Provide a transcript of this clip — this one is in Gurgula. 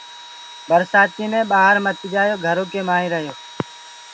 برسآتي مينٚ ڀآهر مت جآيو گھرو ڪي مآئينٚ رهيو۔